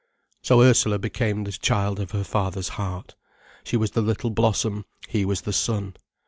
So Ursula became the child of her father's heart. She was the little blossom, he was the sun.